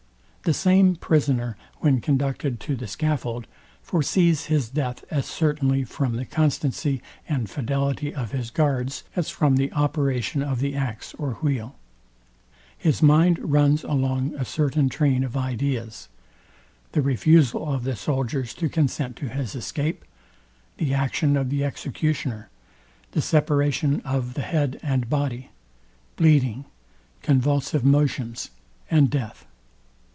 The same prisoner, when conducted to the scaffold, foresees his death as certainly from the constancy and fidelity of his guards as from the operation of the ax or wheel. His mind runs along a certain train of ideas: The refusal of the soldiers to consent to his escape, the action of the executioner; the separation of the head and body; bleeding, convulsive motions, and death.